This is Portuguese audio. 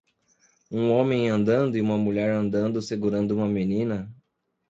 um homem andando e uma mulher andando segurando uma menina